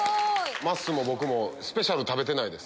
まっすーも僕もスペシャルメニュー食べてないです。